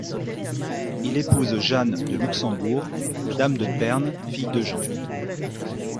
Il épouse Jeanne de Luxembourg, dame de Pernes, fille de Jean.